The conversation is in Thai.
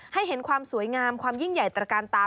ให้เห็นความสวยงามความยิ่งใหญ่ตระการตา